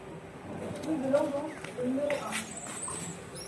Rue de Langgöns au numéro un